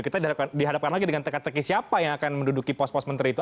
kita dihadapkan lagi dengan teka teki siapa yang akan menduduki pos pos menteri itu